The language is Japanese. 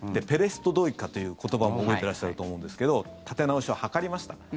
ペレストロイカという言葉も覚えていらっしゃると思うんですけど立て直しを図りました。